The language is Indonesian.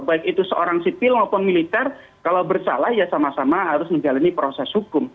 baik itu seorang sipil maupun militer kalau bersalah ya sama sama harus menjalani proses hukum